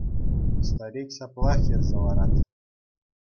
Старик ҫаплах йӗрсе ларать.